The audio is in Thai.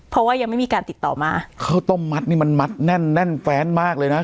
เพราะว่ายังไม่มีการติดต่อมาข้าวต้มมัดนี่มันมัดแน่นแน่นแฟนมากเลยนะ